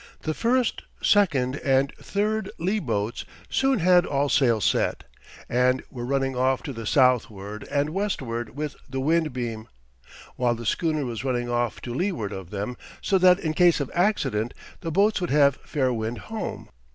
The first, second and third lee boats soon had all sail set and were running off to the southward and westward with the wind beam, while the schooner was running off to leeward of them, so that in case of accident the boats would have fair wind home.